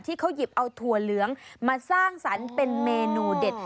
ที่เขาหยิบเอาถั่วเหลืองมาสร้างสรรค์เป็นเมนูเด็ด